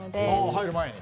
入る前に？